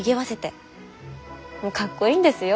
もうかっこいいんですよ。